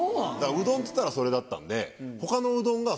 うどんっていったらそれだったんで。